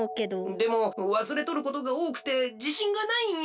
でもわすれとることがおおくてじしんがないんよ。